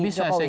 ya bisa sih